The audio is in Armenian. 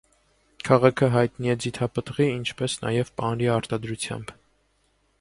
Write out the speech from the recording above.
Քաղաքը հայտնի է ձիթապտղի, ինչպես նաև պանրի արտադրությամբ։